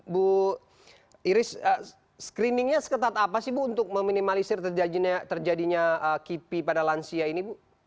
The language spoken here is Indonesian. bu iris screeningnya seketat apa sih bu untuk meminimalisir terjadinya kipi pada lansia ini bu